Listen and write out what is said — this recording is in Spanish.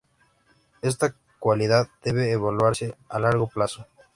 Esta cualidad debe evaluarse a largo plazo.